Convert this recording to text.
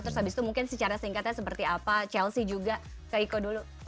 terus habis itu mungkin secara singkatnya seperti apa chelsea juga ke iko dulu